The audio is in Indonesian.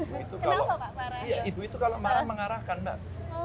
iya ibu itu kalau marah mengarahkan mbak